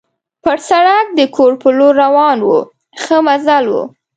پر سړک د کور په لور روان وو، ښه مزل وو.